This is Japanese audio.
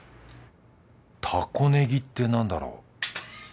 たこねぎって何だろう